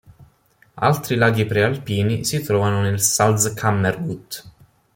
Altri laghi prealpini si trovano nel Salzkammergut.